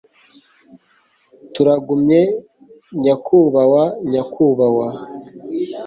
Turagumye nyakubahwa nyakubahwa